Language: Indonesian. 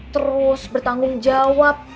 terus bertanggung jawab